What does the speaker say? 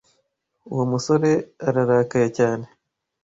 Uwo musore ararakaye cyane.